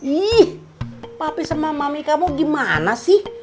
ih papi sama mami kamu gimana sih